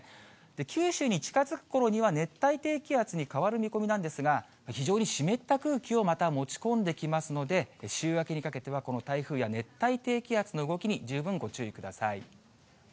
九州に近づくころには熱帯低気圧に変わる見込みなんですが、非常に湿った空気をまた持ち込んできますので、週明けにかけてはこの台風や、熱帯低気圧の動きに十分ご注意ください。